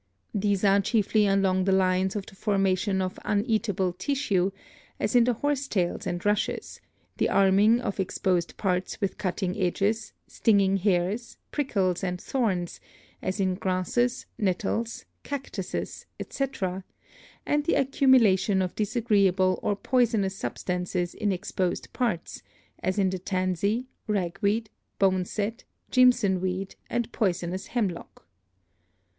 These are chiefly along the lines of the formation of uneatable tissue, as in the horsetails and rushes, the arming of exposed parts with cutting edges, stinging hairs, prickles and thorns, as in grasses, nettles, cactuses, etc., and the accumulation of disagreeable or poisonous substances in exposed parts, as in the tansy, ragweed, boneset, jimson weed and poison ous hemlock.